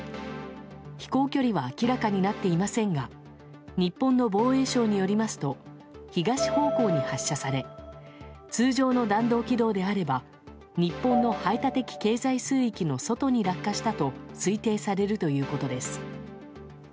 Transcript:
飛行距離は明らかになっていませんが日本の防衛省によりますと東方向に発射され通常の弾道軌道であれば日本の排他的経済水域の外に落下したと推定されるということです。